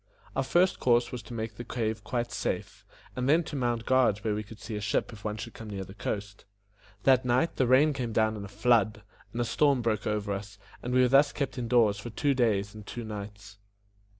Our first course was to make the cave quite safe, and then to mount guard where we could see a ship if one should come near the coast. That night the rain came down in a flood, and a storm broke over us, and we were thus kept in doors for two days and two nights.